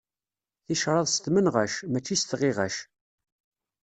Ticraḍ s tmenɣac, mačči s tɣiɣac.